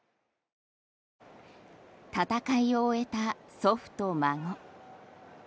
戦いを終えた祖父と孫。